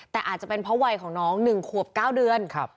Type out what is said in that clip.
แต่อาจจะเป็นเพราะวัยของน้องหนึ่งขวบเก้าเดือนครับ